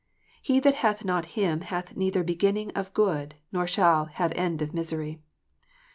He that hath not Him hath neither beginning of good nor shall have end of misery.